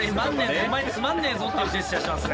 「お前つまんねえぞ」っていうジェスチャーしてますね。